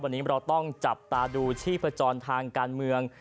วันนี้เราต้องจับตาดูชีพจรทางการเมือง